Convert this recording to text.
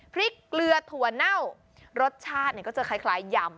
พริกเกลือถั่วเน่ารสชาติก็จะคล้ายยำ